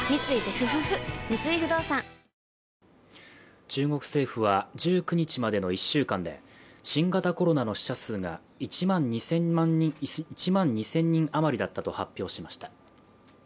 三井不動産中国政府は１９日までの１週間で新型コロナの死者数が１万２０００人余りだったと発表しました。